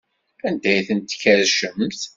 Anda ay tent-tkerrcemt?